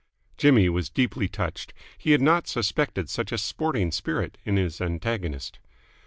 Jimmy was deeply touched. He had not suspected such a sporting spirit in his antagonist.